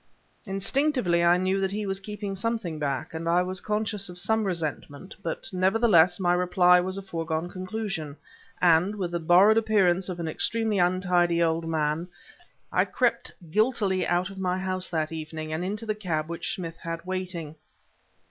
Intuitively, I knew that he was keeping something back, and I was conscious of some resentment, but nevertheless my reply was a foregone conclusion, and with the borrowed appearance of an extremely untidy old man I crept guiltily out of my house that evening and into the cab which Smith had waiting.